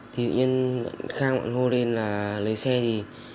thì dự nhiên vận khang cũng hô lên là lấy xe đi